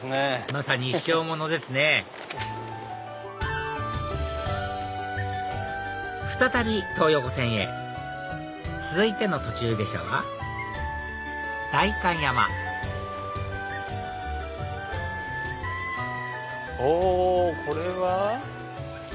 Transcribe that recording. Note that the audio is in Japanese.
まさに一生ものですね再び東横線へ続いての途中下車は代官山おこれは。